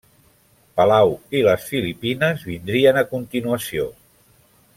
Palau i les Filipines vindrien a continuació.